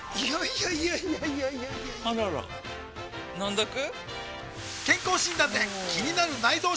いやいやいやいやあらら飲んどく？